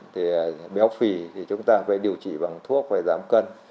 thì béo phì thì chúng ta phải điều trị bằng thuốc phải giảm cân